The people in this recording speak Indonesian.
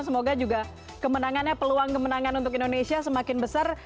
semoga juga kemenangannya peluang kemenangan untuk indonesia semakin besar